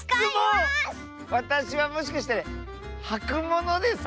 わたしはもしかしてはくものですか？